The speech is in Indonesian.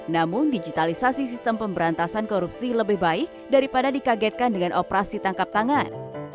namun digitalisasi sistem pemberantasan korupsi lebih baik daripada dikagetkan dengan operasi tangkap tangan